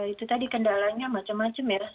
itu tadi kendalanya macam macam ya